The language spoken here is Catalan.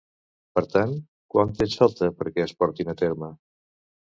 Per tant, quant temps falta perquè es portin a terme?